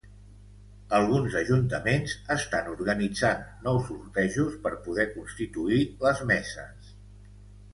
Alguns ajuntaments estan organitzant nous sortejos per poder constituir les meses.